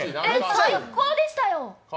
最高でしたよ。